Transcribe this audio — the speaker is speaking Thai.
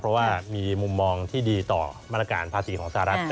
เพราะว่ามีมุมมองที่ดีต่อมาตรการภาษีของสหรัฐ